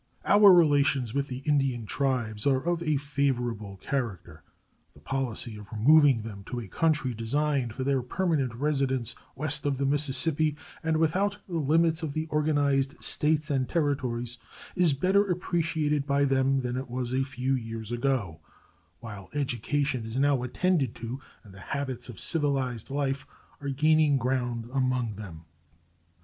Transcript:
Our relations with the Indian tribes are of a favorable character. The policy of removing them to a country designed for their permanent residence west of the Mississippi, and without the limits of the organized States and Territories, is better appreciated by them than it was a few years ago, while education is now attended to and the habits of civilized life are gaining ground among them.